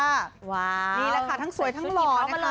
นี่แหละค่ะทั้งสวยทั้งหล่อนะคะ